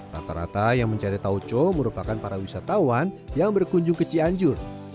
rata rata yang mencari tauco merupakan para wisatawan yang berkunjung ke cianjur